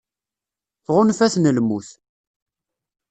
Tɣunfa-ten lmut.